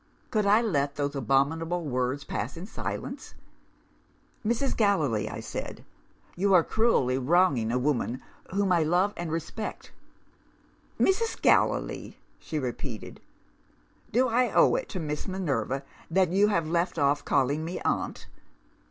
"Could I let those abominable words pass in silence? 'Mrs. Gallilee!' I said, 'you are cruelly wronging a woman whom I love and respect!' "'Mrs. Gallilee?' she repeated. 'Do I owe it to Miss Minerva that you have left off calling me Aunt?